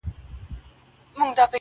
یا به نن یا به سباوي زه ورځمه.!